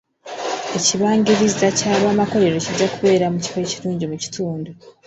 Ekibangiriza ky'abamakolero kijja kubeera mu kifo ekirungi mu kitundu.